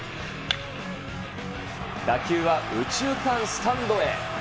打球は右中間スタンドへ。